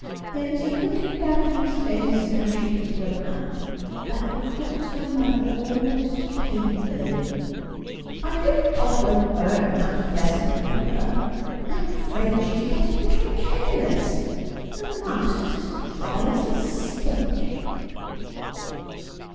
There is a look in Daphne's face now she has grown up that recalls her mother almost painfully. I hope Todd won't burn that phea sant, Rhoda. I'm afraid she is getting a little careless. The last was as dry as a stick.'